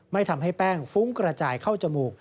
ทำให้แป้งฟุ้งกระจายเข้าจมูก